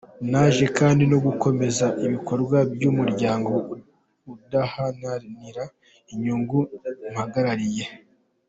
Naje kandi no gukomeza ibikorwa by’umuryango udaharanira inyungu mpagarariye.